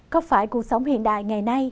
có phải cuộc sống hiện đại ngày nay